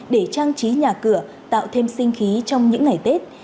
để trang trí nhà cửa tạo thêm sinh khí trong những ngày tết